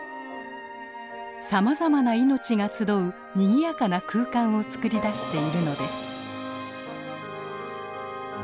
さまざまな命が集うにぎやかな空間をつくり出しているのです。